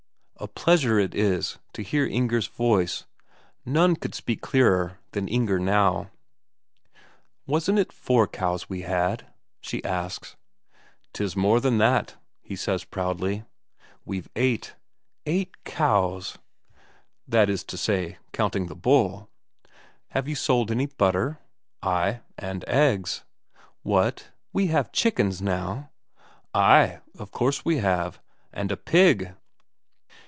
A pleasure it is to hear Inger's voice; none could speak clearer than Inger now. "Wasn't it four cows we had?" she asks. "'Tis more than that," says he proudly. "We've eight." "Eight cows!" "That is to say, counting the bull." "Have you sold any butter?" "Ay, and eggs." "What, have we chickens now?" "Ay, of course we have. And a pig."